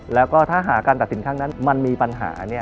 แล้วก็ถ้าหากการตัดสินครั้งนั้นมันมีปัญหา